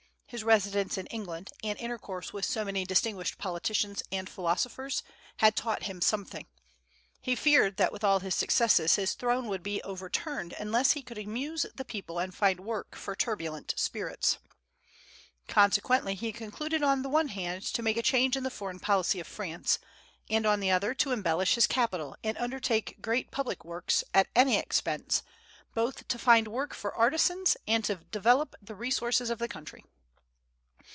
His residence in England and intercourse with so many distinguished politicians and philosophers had taught him something. He feared that with all his successes his throne would be overturned unless he could amuse the people and find work for turbulent spirits. Consequently he concluded on the one hand to make a change in the foreign policy of France, and on the other to embellish his capital and undertake great public works, at any expense, both to find work for artisans and to develop the resources of the country.